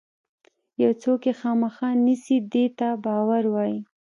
یو څوک یې خامخا نیسي دې ته باور وایي.